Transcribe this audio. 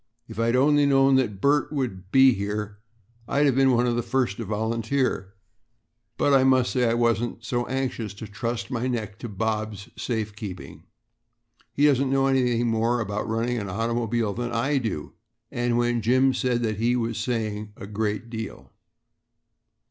"If I'd only known that Bert would be here I'd been one of the first to volunteer, but I must say I wasn't anxious to trust my neck to Bob's safe keeping. He doesn't know any more about running an automobile than I do;" and when Jim said that he was saying a great deal.